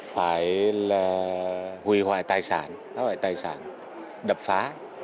phải hủy hoại tài sản đập phá